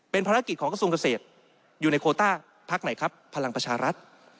เป็นภารกิจของกระทรวงเกษตรอยู่ในโคต้าพักไหนครับพลังประชารัฐ